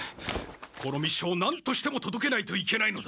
この密書を何としてもとどけないといけないのだ。